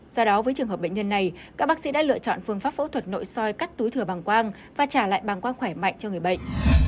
do đó với trường hợp bệnh nhân này các bác sĩ đã lựa chọn phương pháp phẫu thuật nội soi cắt túi thừa bằng quang và trả lại bằng quang khỏe mạnh cho người bệnh